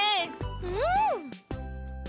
うん！